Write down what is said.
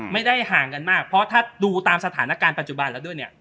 ไม่ได้ห่างกันมากเพราะถ้าดูตามสถานการณ์ปัจจุบันแล้วด้วยเนี่ย